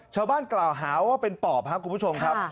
ชาวบ้านกล่าวหาว่าเป็นปอบครับคุณผู้ชมครับ